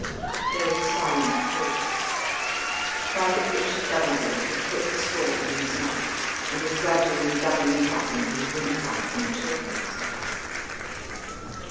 There was a silent pause. Private Richard Doubledick had put the straw in his mouth, and was gradually doubling it up into his windpipe and choking himself.